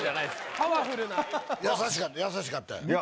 パワフルな優しかったんや？